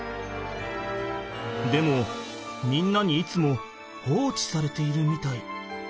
でもみんなにいつも放置されているみたい。